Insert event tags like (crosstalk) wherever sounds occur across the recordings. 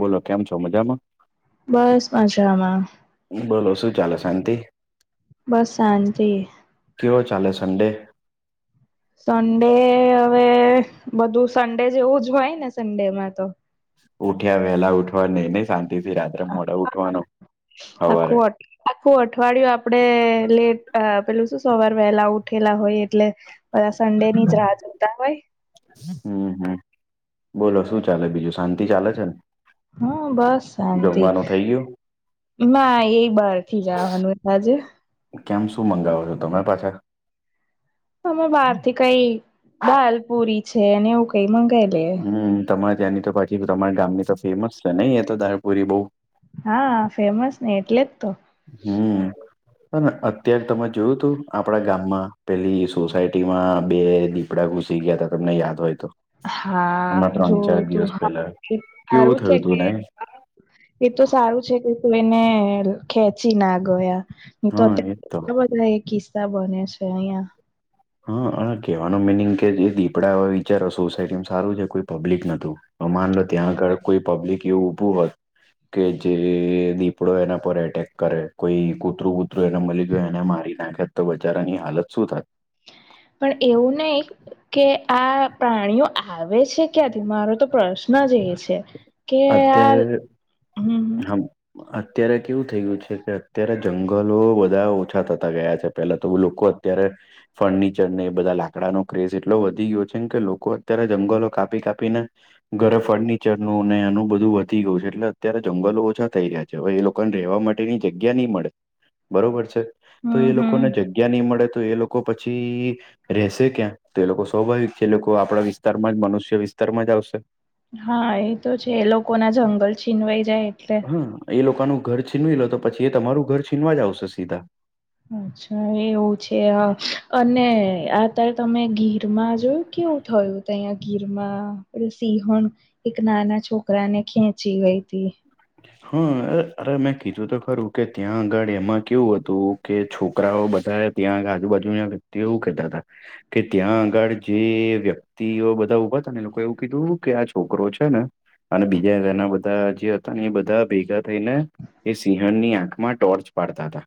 બોલો કેમ છો મજામાં બસ મજામાં બોલો શું ચાલે શાંતિ બસ શાંતિ કેવો ચાલે સન્ડે સન્ડે હવે બધું સન્ડે જેવું જ હોય ને સન્ડેમાં તો ઉઠ્યા વેલા ઉઠવા ન નહી શાંતિ થી રાત્રે મોડા ઉઠવાનો સવારે આખું અઠ- આખું અઠવાડિયું આપડે લેટ અ પેલું શું સવાર વહેલા ઊઠ ઉઠેલા હોય એટલે બધા સન્ડે ની જ રાહ જોતા હોય હમ્મ હમ્મ બોલો શું ચાલે બીજું શાંતિ ચાલે છે ને હ બસ શાંતિ જમવાનું થઈ ગયું ના એ બાર થી જવાનું આજે કેમ શું મંગાવાના તમે પાછા અમે બહાર થી કઈ દાલ પુરી છે અને એવું કઈ મંગાવી લે હમ્મ તમારે ત્યાંની તો પાછી તમારા ગામની તો ફેમસ છે. નહી એ તો દાલપુરી બહુ હા ફેમસ ને એટલે જ તો હમ્મ પણ અત્યારે તમે જોયું તું આપડા ગામમાં પેલી સોસાયટી માં બે દિપડા ઘુસી ગયા હતા તમને યાદ હોય તો હમણાં હા ત્રણ ચાર જોયું તું દિવસ હા પેલા એ કેવું સારું છે થયું તું ને એ તો સારું છે કોક એને ખેંચી ના ગયા એ તો હા એજ અત્યારે તો બ બધા એ કિસ્સા બનિયા છેં અહિયાં હા આ કેહેવાનું મિનિંગ કે જે દીપડા હો વિચારો સોસાયટીમાં સારું છે કોઈ પબ્લિક ન તું હ માનલો ત્યાં આગળ કોઈ પબ્લિક એવું ઉભું હોત કે જે દીપડો એના પર એટેક કરે કોઈ કૂતરું વુતરું એને મળી ગયુ એને મારી નાખે તો બચારાની હાલત શું થાત. પણ એવું નહી કે આ પ્રાણીઓ આવે છે ક્યાંથી મારો તો પ્રશ્ન જ એ છે. કે આ. અત્યારે હમ હમ. અત્યારે કેવું થઈ ગયું છે કે, અત્યારે જંગલો બધા ઓછા થતા ગયા છે પેલા તો બધા લોકો ત્યારે ફર્નિચર ને એ બધા લાકડાનો ક્રેઝ એટલો વધી ગયો છેમ કે લોકો અત્યારે જંગલો કાપી કાપીને ઘરે ફર્નિચરનું અને એનું બધું વધી ગયું છે એટલે અત્યારે જંગલો ઓછા થઈ રહ્યા છે. હવે એ લોકોને રહેવા માટેની જગ્યા નહી મળે બરોબર છે? તો હમ એ હમ લોકોને જગ્યા નહી મળે તો એ લોકો પછી રહેશે ક્યાં? તો એ લોકો સ્વાભાવિક છે એ લોકો આપણા વિસ્તારમાં જ મનુષ્ય વિસ્તારમાં જ આવશે. હા એ તો છે. એ લોકોના જંગલ છીનવાઈ જાય એટલે હમ. એ લોકોનું ઘર છીનવી લો તો પછી એ તમારું ઘર છીનવા જ આવશે સીધા. અચ્છા. એવું છે. અ અને અત્યારે તમે ગીરમાં જોયું કેવું થયું તંયા ગીરમાં સિંહણ એક નાના છોકરાને ખેંચી ગઈતી. (inaudible) હા, અ અરે મેં કીધું તો ખરું કે ત્યાં આગળ એમાં કેવું હતું કે છોકરાઓ બધા ત્યાં આગળ આજુબાજુ વ્યક્તિઓ એવું કહેતાતા કે, ત્યાં આગળ જે વ્યક્તિ ક્તિઓ બધા ઉભા હતા ને એ લોકો એવું કીધું કે આ છોકરો છે ને અને બીજા ઘણા બધા જે એ બધા ભેગા થઈને એ સિંહણની આંખમાં ટોર્ચ પાડતાતા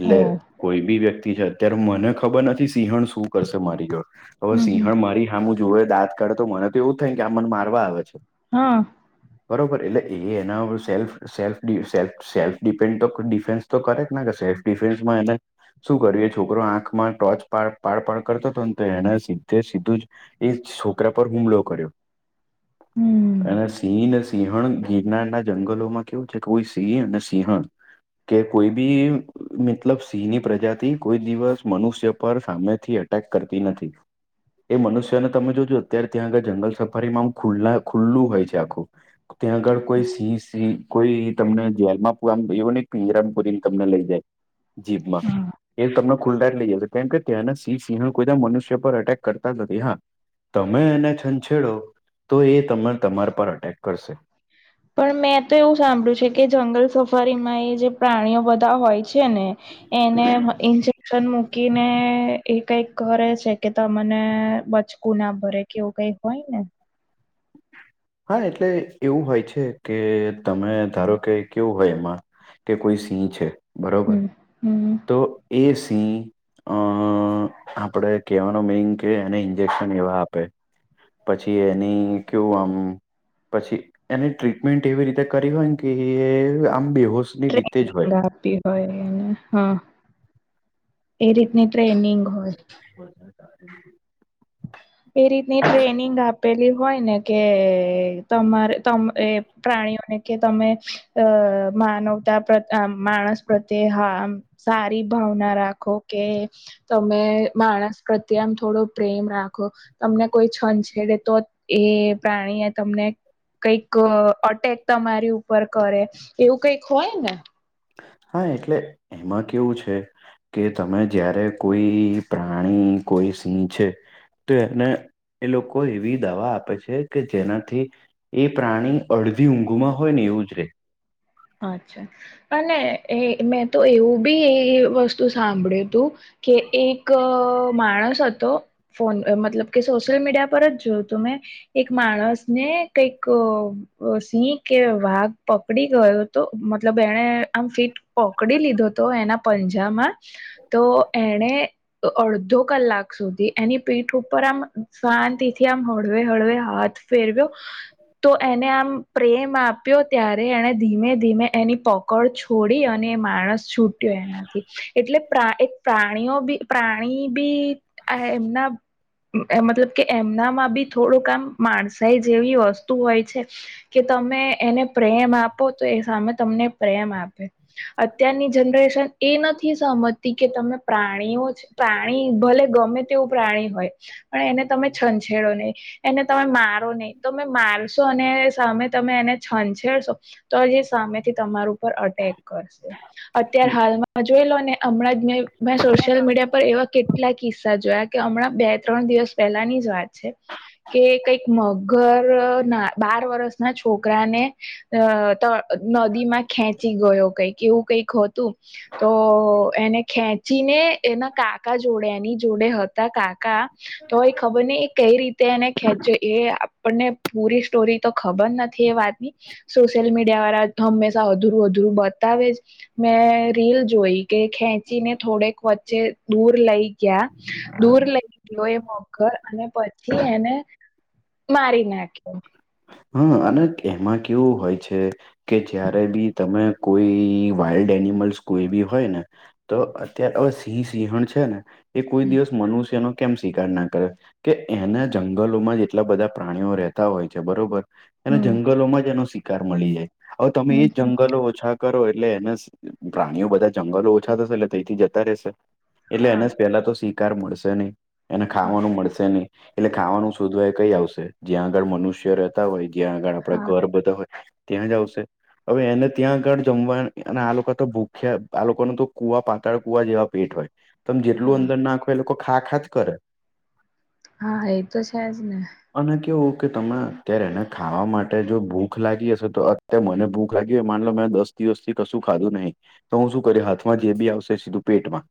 એટલે ઓ કોઈ બી વ્યક્તિ છે, અત્યારે મને ખબર નથી સિંહણ શું કરશે મારી જોડ. હવે હમ હમ સિંહણ મારી હામું જોવે દાંત કાળે તો મને તો એવું થાય કે આ મન મારવા આવે છે. હા. બરોબર. એટલે એ એના વગર સેલ્ફ સેલ્ફ ડી સેલ્ફ સેલ્ફ ડિફેન્ડ તો ડિફેન્સ તો કરે કે ના કરે. સેલ્ફ ડિફેન્સમાં એને શું કર્યું એ છોકરો આંખમાં ટોર્ચ પાડ પાડ કરતો હતો ને તો, એને સીધે સીધું જ એ છોકરા પર હુમલો કર્યો. હમ અને સિંહ ને સિંહણ ગીરનારના જંગલોમાં કેવું છે કે, કોઈ સિંહ અને સિંહણ કે કોઈ બી મતલબ સિંહની પ્રજાતિ કોઈ દિવસ મનુષ્ય પર સામેથી અટેક કરતી નથી. એ મનુષ્યને તમે જોજો અત્યાર, ત્યાં આગળ જંગલ સફારીમાં ખુલ્લા ખુલ્લું હોય છે આખું. ત્યાં આગળ કોઈ સિંહ સિ કોઈ તમને જેલમાં પૂ આમ એવું નહી પિંજરામ પુરીને તમને લઈ જાય જીભમાં. હા એ તમને ખુલ્લા જ લઈ જાય છે કેમ કે ત્યાંના સિંહ સિંહણ કોઈ મનુષ્ય પર અટેક કરતા જ નથી. હા તમે એને છંછેડો તો એ તમે તમાર પર અટેક કરશે. પણ મેં તો એવું સાંભળ્યું છે કે, જંગલ સફારીમાં એ જે પ્રાણીઓ બધા હોય છે ને એને ઇન્જેક્શન મુ કીને એ કઈક કરે છે કે તમને બચકું ના ભરે કે એવું કઈ હોય ને? હા એટલે એવું હોય છે કે તમે ધારો કે કેવું હોય એમાં કે કોઈ સિંહ છે બરોબર, હમ હમ તો એ સિંહ અ આપડે કહેવાનો મિનિંગ કે એને ઇન્જેક્શન એવા આપે પછી એની કેવું આમ પછી એની ટ્રીટમેન્ટ એવી રીતે કરી હોય ને કે આમ બેહોશ (inaudible) આપીએ. હોય એને. હા, એ રીતની ટ્રેનિંગ હોય. (inaudible) એ રીતની ટ્રેનિંગ આપેલી હોય ને કે, તમાર તમ એ પ્રાણીઓને કે તમે અ માનવતા પ્ર માણસ પ્રત્યે હા. સારી ભાવના રાખો કે તમે માણસ પ્રત્યે આમ થોડો પ્રેમ રાખો. તમને કોઈ છંછેડે તો જ એ પ્રાણી એ તમને કંઈક અટેક તમારી ઉપર કરે એવું કઈક હોય ને? હા એટલે એમાં કેવું છે? કે તમે જયારે કોઈ પ્રાણી કોઈ સિંહ છે. તો એને એ લોકો એવી દાવા આપે છે કે જેનાથી એ પ્રાણી અડધી ઊંઘુમાં હોય ને એવું જ રે. અચ્છા, અને એ મેં તો એવું બી એ વસ્તુ સાંભળ્યુંતું કે એક માણસ હતો હતો ફોન મતલબ કે સોશિલ મીડિયા પર જ જોયુંતું મે. એક માણસ ને કઈક સિંહ કે વાઘ પકડી ગયો તો મતલબ એણે આમ ફીટ પકડી લીધોતો એના પંજામાં. તો એને અડધો કલાક સુધી એની પીઠ ઉપર આમ શાંતિથી આમ હળવે હળવે હાથ ફેરવ્યો તો એને આમ પ્રેમ આપ્યો ત્યારે એને ધીમે એની પકડ છોડી અને માણસ છૂટ્યો એનાથી એટલે પ્ર એક પ્રાણીઓ બી પ્રાણી બી આ એમના મતલબ કે એમનામાં બી થોડુંકામ માણસાઈ જેવી વસ્તુ હોય છે. કે તમે એને પ્રેમ આપો તો એ સામે તમને પ્રેમ આપે. અત્યારની જનરેશન એ નથી સમજતી કે તમે પ્રાણીઓ છે. પ્રાણી ભલે ગમે તેવું પ્રાણી હોય પણ એને તમે છંછેડો નહીં. એને તમે મારો નહીં તમે મારશો અને સામે તમે એને છંછેડશો, તો જે સામેથી તમાર ઉપર અટેક કરશે અત્યારે હાલમાં મજયલો ને હમણાં જ મેં મેં સોશિયલ મીડિયા પર એવા કે કેટલા કિસ્સા જોયા કે હમણાં બે ત્રણ દિવસ પહેલાની જ વાત છે. કે કંઈક મગર ના બાર વર્ષના છોકરાને અ નદી માં ખેંચી ગયો કઈક એવું કઈક હતું. તો એને ખેચ ચીને એના કાકા જોડેની જોડે હતા કાકા તો એ ખબર ને કઈ રીતે તે એને ખેંચો એ આપણને પૂરી સ્ટોરી તો ખબર નથી એ વાતની સોશિયલ મીડ વાળ હંમેશા અધુરું અધુરું બતાવે જ. મેં રીલ જોઈ કે ખેંચીને થોડેક વચ્ચે દૂર લઈ ગયા દૂર લઈ ગયો એ મગર અને પછી એને મારી નાખ્યો હા અને એમાં કેવું હોય છે કે જયારે બી તમે કોઈ વાઈલ્ડ એનિમલ્સ કોઈ બી હોય ને તો અત્યારે હવે સિંહ સિંહણ છે ને એ કોઈ હમ. દિવસ મનુષ્યનો કેમ સ્કારાર ના કરે કે એના જંગલોમાં જેટલા બધા પ્રાણીઓ રહેતા હોય છે બરોબર. એને હમ જંગલોમાં જ એનો શિકાર મળી જાય હવે તમે હમ એજ હમ. જંગલો ઓછા કરો એટલે એને પ્રાણીઓ બધા જંગલો ઓછા થશે એટલે તથી જતા રશે એટલે એને હા જ પેલા તો શિકાર મળશે નહી એને ખાવાનું મળશે નહી એટલે ખાવાનું શોધવા એ કઈ આવશે જ્યાં આગળ મનુષ્ય રહે. હોય જ્યાં આગળ આપણા હા ઘર બધા હોય ત્યાં જ આવશે હવે એને ત્યાં આગળ જમવા, અને આ લોકો તો ભૂખ્યા, આ લોકો ન તો કુવા પાતાળ કુવા જેવા પેટ હોય ત જેટલું હા અંદર નાખો એ લોકો ખા ખા જ કરે હા એ તો છેજ ને અના કે ઓકે તમા અ્યારે એને ખાવા માટે જો ભૂખ લાગી હશે તો અત્યારે મને ભૂખ લાગી માનલો મે દ દિવથી કશું ખાધું નહીિ તો હું શું કર હાથમાં જે બી આવશે સીધું પેટમાં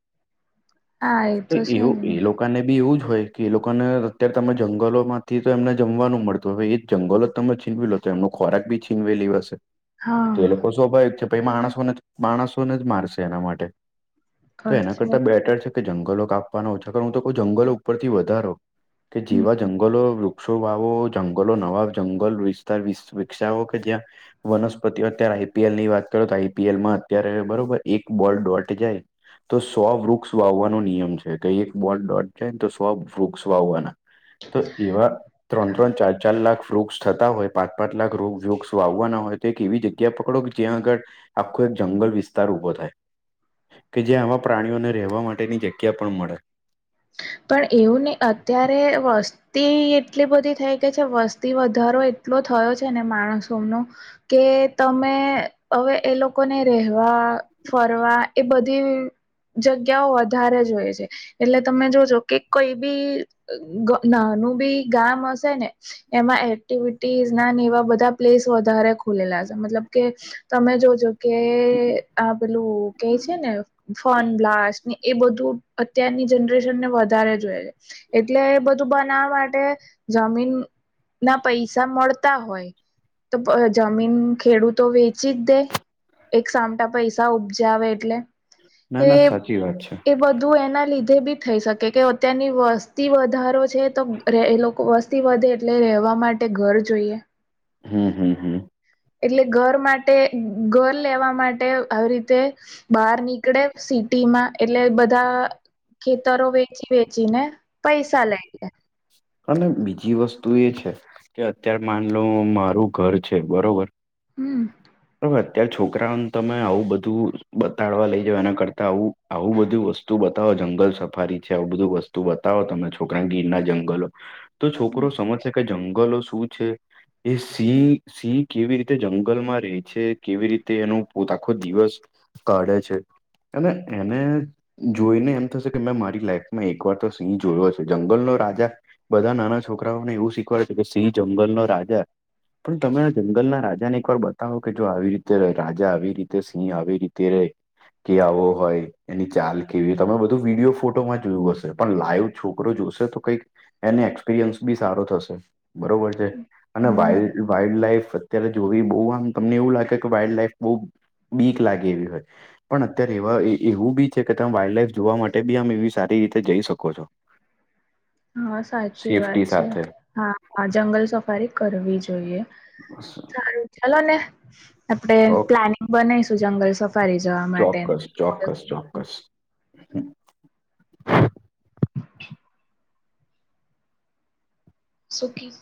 તો એ એ લોકો ને બી એવું જ હોય કે એ લોકોને અત્યારે તમે જંગલો માંથી તો એમને જમવાનું મળતું હ એ જંગલો તમે છીનવી લો, તો એમનું ખોરાક બી છીનવી લેવાશે, હા તો એ લોકો સ્વભાવિક છે, પહીં માણસોને જ, માણસોને જ મારશે એના માટે, તો ખર્ચ એના કરતા બેટર છે કે જંગલો કાપવાના ઓછા કરો, હું તો કહું જંગલો ઉપરથી વધારો, કે હમ જેવા જંગલો વૃક્ષ ઓ વાવવો, જંગલો, નવા જંગલ વિસ્તાર વિસ વિકસાવો કે જ્યાં વનસ્પતિઓ અત્યારે આઈપીએલ ની વાત કરો તો આઈપીએલમાં અત્યારે બરોબર એક બોલ ડોટ જાય તો સો વૃક્ષ વાવવાનો નિયમ છે. કઈ એક બોલ ડોટ જાયને તો સવ વૃક્ષ વાવવાના તો એવા ત્રણ ત્રણ ચાર ચાર લાખ વૃક્ષ થતા હોય પાંચ પાંચ લાખ રોગ વૃક્ષો આવવાના હોય તો એક એવી જગ્યા પકડો કે જ્યાં આગળ આખો એક જંગલ વિસ્તાર ઉઊભો થાય કે જે્યાં આવા પ્રાણીઓને રહેવા માટેની જગ્યા પણ મળે પણ એવું નહીં, અત્યારે વસ્તી એટલી બધી થઈ ગઈ છે, વસ્તી વધારો એટલો થયો છે ને માણસોનો કે તમે હવે એ લોકોને રહેેવા ફરવા એ બધી જગ્યાઓ વધારે જોય છે, એટલે તમે જોજો કે કંઈ બી ગ નાનું બી ગામ હશે ને એમાં એક્ટિવિ ટીઝના ને એવા બધા પ્લેસ વધારે ખુલેલા હશે, મતલબ કે તમે જોજો કે આ પેલું કેઈ છે ને ફોન બ્લાસ્ટ ને એ બધું અત્યારની જનરેશનને વધારે જોયએ છે. એટલે એ બધું બનાવા માટે જમીન ના પૈસા મળતા હોય તો પ જમીન ખેડૂતો વેચી જ દે એક સામટા પૈસા ઉપજાવે એટલે. ના, ના સાચી વાત છે. તો એના લીધે બી થઈ શકે કે અત્યારની વસ્તી વધારો છે તો રે એ લોકો વસ તી વધે એટલે રહેવા માટે ઘર જોઈએ. હમ્મ-હમ્મ-હમ્મ. એટલે ઘર માટે, ઘર લેવા માટે આવી રીતે બહાર નીકળે સિટીમાં, એટલે બધા ખેતરો વેચી-વેચી ને (inaudible) અને બીજી વસ્તુ એ છે, કે અત્યારે માન લો મારું ઘર છે બરોબર? હમ્મ. તો હવે છોકરાઓને તમે આવું બધું બતાડવા લઈ જાવ એના કરતા આવું આવું બધું વસ્તુ બતાવો જંગલ સફારી છે, આવું બધું વસ્તુ બતાવો તમે છોકરાને, ગીરના જંગલો તો છોકરો સમજશે કે જંગલો શું છે, એ સિંહ-સિંહ કેવી રીતે જંગલમાં રહે છે, કેવી રીતે એનું પોત આખો દિવસ કાઢે છે, અને એને જોઈને એમ થશે કે મેં મારી લાઈફમાં એક વાર તો સિંહ જોયો છે. જંગલનો રાજા બધા નાના છોકરાઓને એવું શીખવાડે છે, કે સિંહ જંગલનો રાજા પણ તમે આ જંગલના રાજાને એક વાર બતાવો કે જો આવી રીતે, રાજા આવી રીતે, સિંહ આવી રીતે રહે કે આવો હોય, એની ચાલ કેવી, તમે બધું વિડીયો ફોટોમાં જોયું હશે, પણ લાઈવ છોકરો જોશે તો કંઈક એને એક્સપિરિયન્સ બી સારો થશે, બરોબર છ છે. અને હમ વાઈલ્ડ-વાઈલ્ડ લાઈફ અત્યારે જોવી બહું આમ તમને એવું લાગે કે વાઈલ્ડ લાઈફ બહુ બીક લાગે એવી હોય. પણ અત્યારે એવા એવું બી છે કે તમે વાઈલ્ડ લાઈફ જોવા માટે બી આમ એવી સારી રીતે જઈ શકો છો. (inaudible) હા સાચી વાત સેફ્ટી છે. સાથે હા, જંગલ સફારી કરવી જોઈએ. (inaudible) સારું ચાલો ને આપડે ઓકે પ્લાનિંગ બનાવીશું જંગલ સફારી જવા માં. ચોક્કસ ચોક્કસ ચોક્કસ. સુખી.